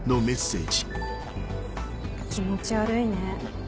気持ち悪いね。